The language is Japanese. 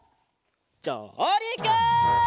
じょうりく！